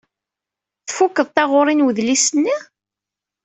Tfukeḍ taɣuri n wedlis-nni?